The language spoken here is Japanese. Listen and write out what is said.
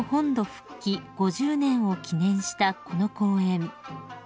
復帰５０年を記念したこの公演］